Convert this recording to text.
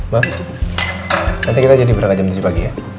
bang nanti kita jadi berangkat jam tujuh pagi ya